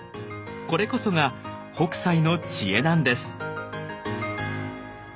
これこそが北斎の知恵なんです。